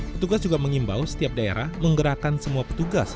petugas juga mengimbau setiap daerah menggerakkan semua petugas